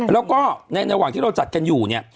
แล้วก็ในระหว่างที่เราจัดกันอยู่เนี่ย